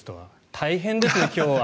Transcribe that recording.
大変ですね、今日は。